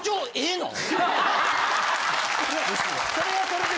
それはそれで。